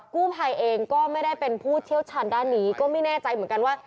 กู้ภัยเองก็ไม่ได้เป็นผู้เชี่ยวชาญด้านนี้ก็ไม่แน่ใจเหมือนกันว่า